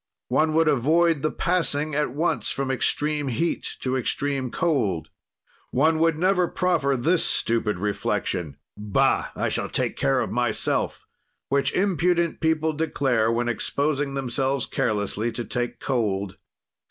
"One would avoid the passing at once from extreme heat to extreme cold. "One would never proffer this stupid reflection: Bah! I shall take care of myself, which impudent people declare when exposing themselves carelessly to take cold.